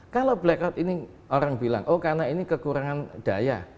kalau blackout ini orang bilang oh karena ini kekurangan daya